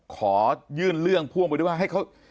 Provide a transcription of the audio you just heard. ขอยื่นเรื่องพ่วงไปด้วยว่าให้เขา